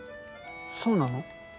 そうなの？